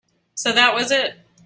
So that was it.